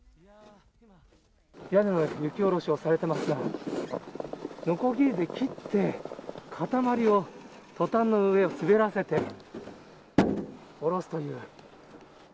屋根の雪下ろしをされていますが、のこぎりで切って、塊をトタンの上を滑らせて下ろすという。